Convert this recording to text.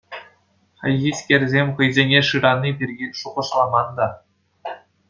Хайхискерсем хӑйсене шырани пирки шухӑшламан та.